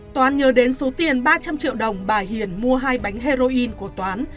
toán nhớ đến số tiền ba trăm linh triệu đồng bà hiền mua hai bánh heroin của toán